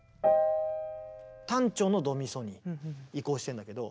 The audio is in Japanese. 短調のドミソに移行してんだけど。